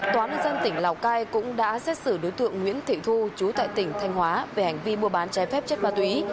tòa nước dân tỉnh lào cai đã xét xử đối tượng nguyễn thị thu chú tại tỉnh thanh hóa về hành vi buôn bán trái phép chất ma túy